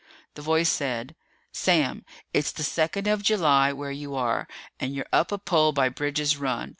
The voice said, "Sam, it's the second of July where you are, and you're up a pole by Bridge's Run.